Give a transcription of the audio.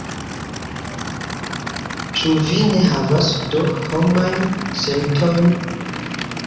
Ĉu vi ne havas do homajn sentojn?